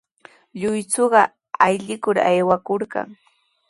Lluychuqa aywikur aywakurqan.